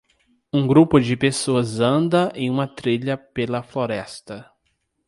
Um grupo de pessoas anda em uma trilha pela floresta.